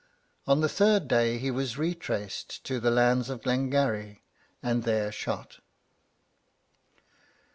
On the third day he was retraced to the lands of Glengarry, and there shot.